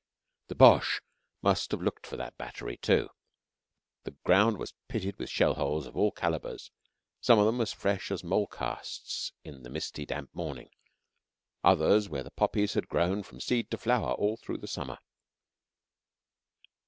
The Boches must have looked for that battery, too. The ground was pitted with shell holes of all calibres some of them as fresh as mole casts in the misty damp morning; others where the poppies had grown from seed to flower all through the summer.